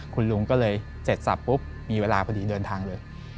คุณลุงก็เลยเสร็จสับปุ๊บมีเวลาพอดีเดินทางเลย